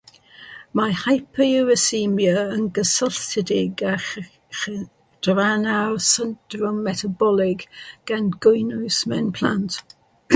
Mae hyperuricemia yn gysylltiedig â chydrannau'r syndrom metabolig, gan gynnwys mewn plant.